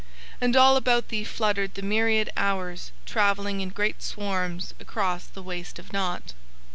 And all about thee fluttered the myriad hours travelling in great swarms across the Waste of Nought.